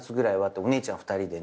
お姉ちゃん２人でね。